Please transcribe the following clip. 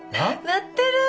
鳴ってる！